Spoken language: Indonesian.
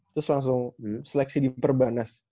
terus langsung seleksi di perbanas